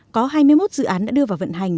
có hai mươi một dự án đã đưa vào vận hành